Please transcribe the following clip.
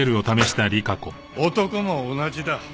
男も同じだ。